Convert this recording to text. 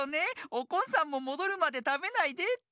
おこんさんももどるまでたべないでって。